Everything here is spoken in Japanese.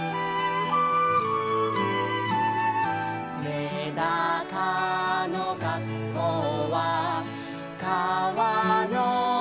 「めだかのがっこうはかわのなか」